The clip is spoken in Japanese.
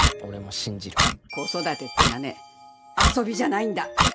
子育てってのはね遊びじゃないんだ。